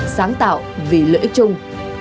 sáng tạo vì lợi ích chung